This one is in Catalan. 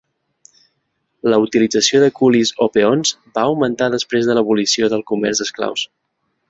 La utilització de culis o peons va augmentar després de l'abolició del comerç d'esclaus.